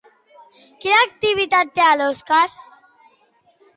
Quina activitat té l'Òscar?